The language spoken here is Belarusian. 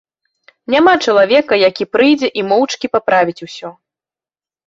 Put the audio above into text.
Няма чалавека, які прыйдзе і моўчкі паправіць ўсё.